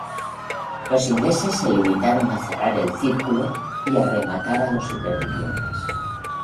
Los ingleses se limitaron a cerrar el círculo y a rematar a los supervivientes.